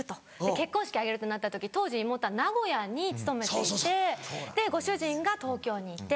結婚式挙げるってなった時当時妹は名古屋に勤めていてご主人が東京にいて。